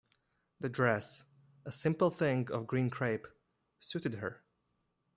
The dress, a simple thing of green crape, suited her.